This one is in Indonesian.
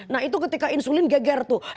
nah itu ketika insulin geger tuh